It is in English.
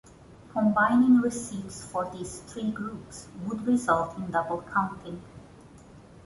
Combining receipts for these three groups would result in double-counting.